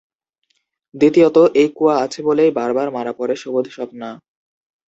দ্বিতীয়ত এই কুয়া আছে বলেই বারবার মারা পড়ে সুবোধ-স্বপ্না।